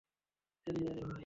জানি না রে, ভাই!